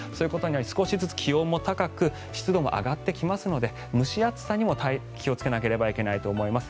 少しずつ気温も高く湿度も上がってきますので蒸し暑さにも気をつけなければいけないと思います。